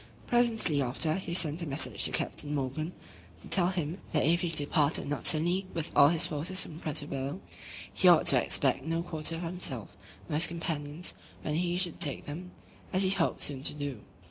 Presently after, he sent a message to Captain Morgan, to tell him, "that if he departed not suddenly with all his forces from Puerto Bello, he ought to expect no quarter for himself, nor his companions, when he should take them, as he hoped soon to do."